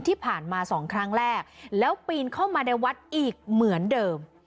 ที่ผ่านมาสองครั้งแรกแล้วปีนเข้ามาในวัดอีกเหมือนเดิม